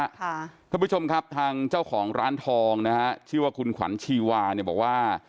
ท่านผู้ชมครับทางเจ้าของร้านทองนะฮะชื่อว่าคุณขวัญชีวาเนี่ยบอกว่า